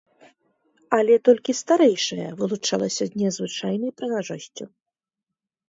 Але толькі старэйшая вылучалася незвычайнай прыгажосцю.